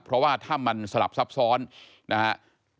เพราะว่าถ้ามันสลับซับซ้อนนะครับ